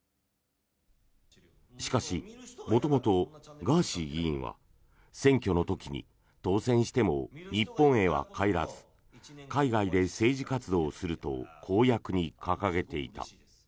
しかし、元々ガーシー議員は選挙の時に当選しても日本へは帰らず海外で政治活動をすると公約に掲げていた。